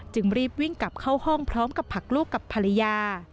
รีบวิ่งกลับเข้าห้องพร้อมกับผลักลูกกับภรรยา